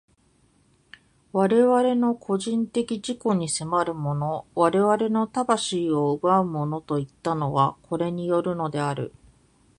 我々の個人的自己に迫るもの、我々の魂を奪うものといったのは、これによるのである。